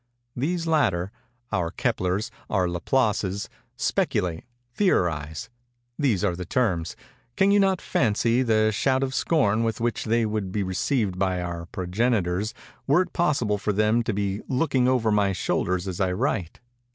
These latter—our Keplers—our Laplaces—'speculate'—'theorize'—these are the terms—can you not fancy the shout of scorn with which they would be received by our progenitors, were it possible for them to be looking over my shoulders as I write?